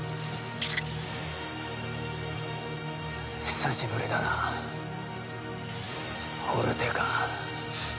久しぶりだなオルテカ。